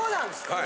はい。